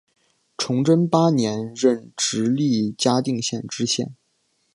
崇祯八年任直隶嘉定县知县。